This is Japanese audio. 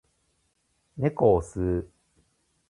猫を吸う